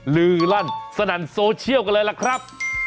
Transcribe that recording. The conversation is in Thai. ลือลั่นสนั่นโซเชียลกันเลยล่ะครับ